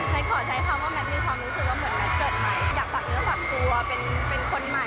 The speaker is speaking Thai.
แมทขอใช้คำว่ามันมีความรู้สึกว่าเหมือนแมทเกิดใหม่